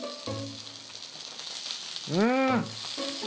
うん！